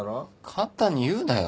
簡単に言うなよ。